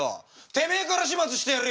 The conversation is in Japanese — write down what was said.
てめえから始末してやるよ！